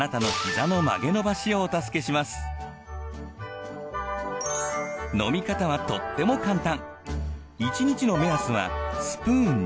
あなたの飲み方はとっても簡単。